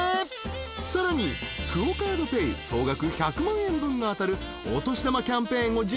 ［さらにＱＵＯカードＰａｙ総額１００万円分が当たるお年玉キャンペーンを実施中］